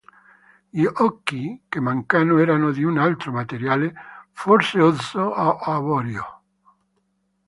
Gli occhi, che mancano, erano di un altro materiale, forse osso o avorio.